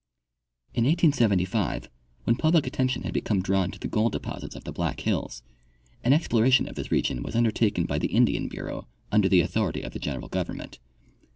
In 1875, when public attention had become drawn to the gold deposits of the Black hills, an exploration of this region was undertaken by the Indian bureau under the authority of the general government.